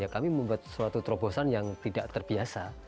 kami membuat suatu terobosan yang tidak terbiasa